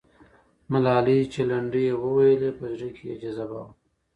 ملالۍ چې لنډۍ یې وویلې، په زړه کې یې جذبه وه.